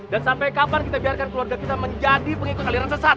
dan sampai kapan kita biarkan keluarga kita menjadi pengikut aliran sesat